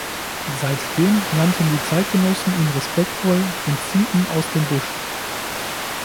Seitdem nannten die Zeitgenossen ihn respektvoll den „Zieten aus dem Busch“.